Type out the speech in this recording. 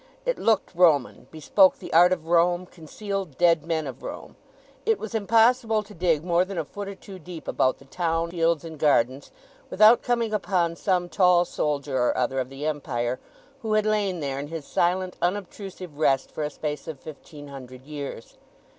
It looked Roman, bespoke the art of Rome, concealed dead men of Rome. It was impossible to dig more than a foot or two deep about the town fields and gardens without coming upon some tall soldier or other of the Empire, who had lain there in his silent unobtrusive rest for a space of fifteen hundred years.